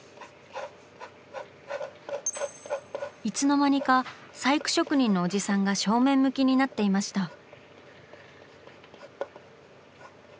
いつの間にか細工職人のおじさんが正面向きになっていました。